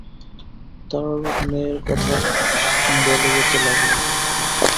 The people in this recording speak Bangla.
তাঁর মেয়ের কথা বলে যেতে লাগলেন।